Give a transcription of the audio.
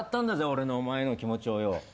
俺のお前への気持ちをよ。